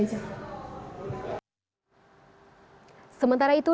sementara itu di nomor empat gregor menang di ratchanok